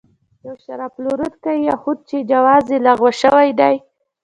یو شراب پلورونکی یهود چې جواز یې لغوه شوی دی.